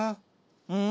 うん？